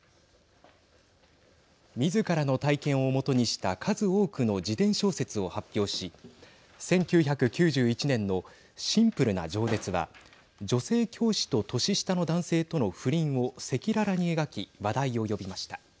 みずからの体験を基にした数多くの自伝小説を発表し１９９１年の「シンプルな情熱」は女性教師と年下の男性との不倫を赤裸々に描き話題を呼びました。